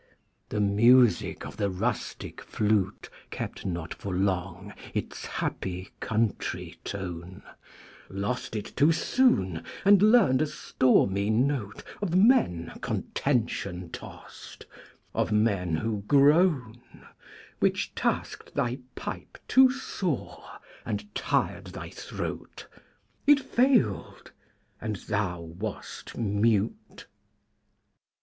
The music of the rustic flute Kept not for long its happy country tone; Lost it too soon, and learned a stormy note Of men contention tost, of men who groan, Which tasked thy pipe too sore, and tired thy throat It failed, and thou wast mute!